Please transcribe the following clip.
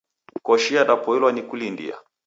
Koshi yadapoilwa ni kulindia.